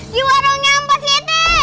diwarung nyampe siti